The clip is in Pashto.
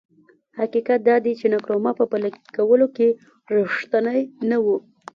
حقیقت دا دی چې نکرومه په پلي کولو کې رښتینی نه و.